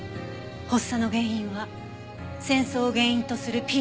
発作の原因は戦争を原因とするＰＴＳＤ。